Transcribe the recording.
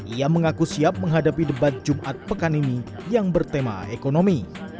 ia mengaku siap menghadapi debat jumat pekan ini yang bertema ekonomi